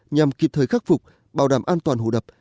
nhằm kịp thời khắc phục bảo đảm an toàn hồ đập